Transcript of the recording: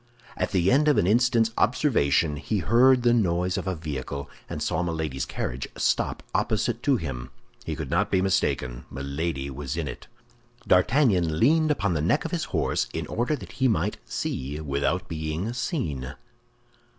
At the end of an instant's observation he heard the noise of a vehicle, and saw Milady's carriage stop opposite to him. He could not be mistaken; Milady was in it. D'Artagnan leaned upon the neck of his horse, in order that he might see without being seen.